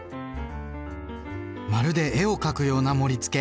まるで絵を描くような盛り付け。